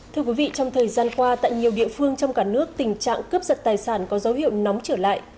thưa quý vị trong thời gian qua tại nhiều địa phương trong cả nước tình trạng cướp giật tài sản có dấu hiệu nóng trở lại